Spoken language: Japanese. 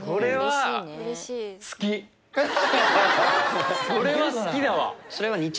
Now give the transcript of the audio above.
それは好きだわ。